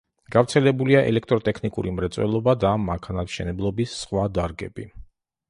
გავრცელებულია ელექტროტექნიკური მრეწველობა და მანქანათმშენებლობის სხვა დარგები.